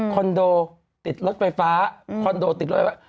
คอนโดติดรถไฟฟ้าคอนโดติดรถไว้